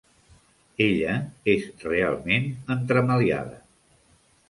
Ella és realment entremaliada.